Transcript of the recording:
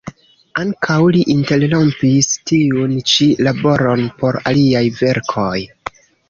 Ankaŭ li interrompis tiun ĉi laboron por aliaj verkoj.